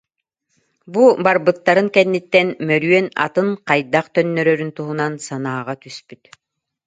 Бу барбыттарын кэнниттэн Мөрүөн атын хайдах төннөрөрүн туһунан санааҕа түспүт